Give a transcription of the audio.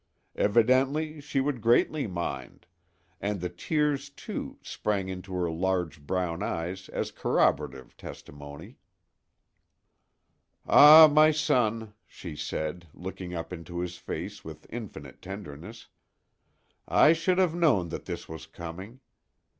Evidently she would greatly mind; and the tears, too, sprang into her large brown eyes as corroborative testimony. "Ah, my son," she said, looking up into his face with infinite tenderness, "I should have known that this was coming.